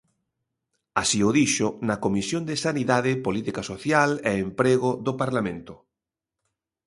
Así o dixo na comisión de Sanidade, Política Social e Emprego do Parlamento.